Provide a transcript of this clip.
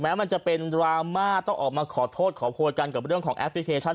มันจะเป็นดราม่าต้องออกมาขอโทษขอโพยกันกับเรื่องของแอปพลิเคชัน